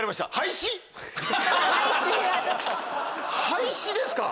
廃止ですか？